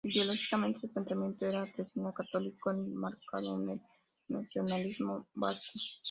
Ideológicamente, su pensamiento era tradicional, católico, enmarcado en el nacionalismo vasco.